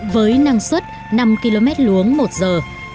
với năng suất năm km luống một giờ